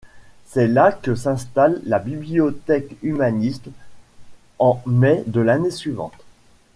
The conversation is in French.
C'est là que s'installe la Bibliothèque humaniste, en mai de l'année suivante.